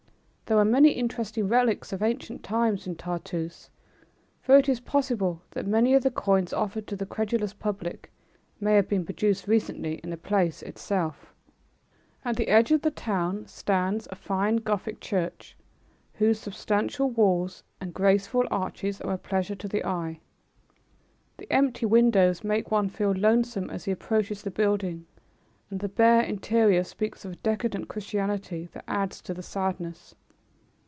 There are many interesting relics of ancient times in Tartoose, though it is possible that many of the coins offered to the credulous public may have been produced recently in the place itself. [Illustration: LATAKIA BOYS' SCHOOL] [Illustration: TARTOOSE Crusaders' Church] At the edge of the town stands a fine Gothic church, whose substantial walls and graceful arches are a pleasure to the eye. The empty windows make one feel lonesome as he approaches the building, and the bare interior speaks of a decadent Christianity that adds to the sadness.